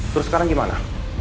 terus sekarang gimana